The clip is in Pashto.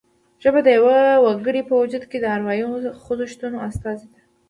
ژبه د یوه وګړي په وجود کې د اروايي خوځښتونو استازې ده